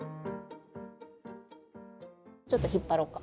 ちょっと引っ張ろっか。